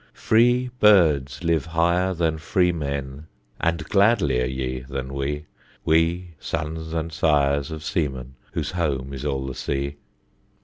Free birds live higher than freemen, And gladlier ye than we We, sons and sires of seamen, Whose home is all the sea.